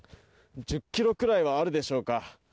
１０ｋｇぐらいはあるでしょうか。